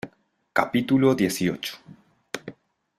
capítulo dieciocho.